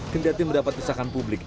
kendatian mendapat kesakan publik